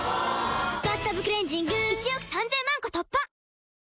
「バスタブクレンジング」１億３０００万個突破！